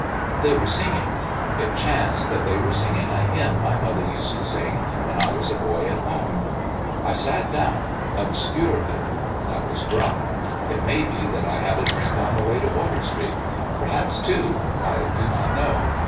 "They were singing. It chanced that they were singing a hymn my mother used to sing when I was a boy at home. I sat down ob scurely. I was drunk. It may be that I had had a drink on the way to Water Street per haps two I do not know.